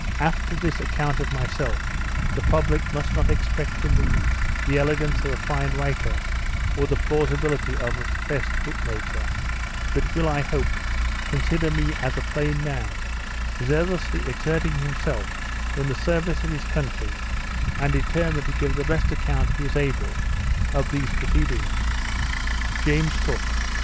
After this account of myself, the public must not expect from me the elegance of a fine writer, or the plausibility of a professed book maker; but will, I hope, consider me as a plain man, zealously exerting himself in the service of his country, and determined to give the best account he is able of his proceedings. JAMES COOK.